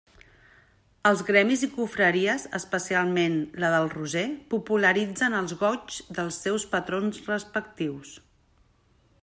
Els gremis i confraries –especialment la del Roser– popularitzen els goigs dels seus patrons respectius.